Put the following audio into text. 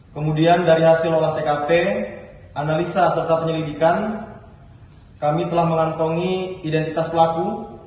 kemudian dari hasil olah tkp analisa serta penyelidikan kami telah mengantongi identitas pelaku